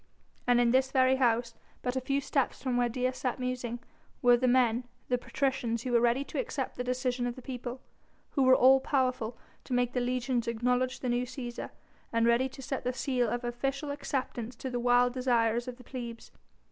And in this very house, but a few steps from where Dea sat musing, were the men, the patricians who were ready to accept the decision of the people, who were all powerful to make the legions acknowledge the new Cæsar, and ready to set the seal of official acceptance to the wild desires of the plebs.